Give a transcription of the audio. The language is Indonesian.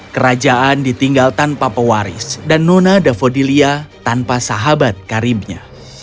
kerajaan ditinggal tanpa pewaris dan nona davodilia tanpa sahabat karibnya